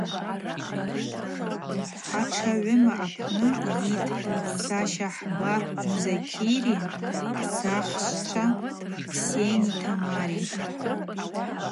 Ашта гӏвыма апны ййытӏ сащахӏба Музакьыри сахщчва Ксени Тамари.